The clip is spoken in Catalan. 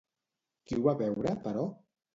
Qui ho va veure, però?